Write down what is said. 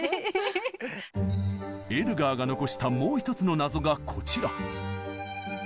エルガーが残したもう１つの謎がこちら。